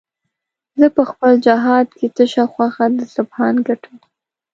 زه په خپل جهاد کې تشه خوښه د سبحان ګټم